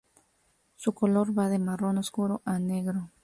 Su color va de marrón oscuro a negro.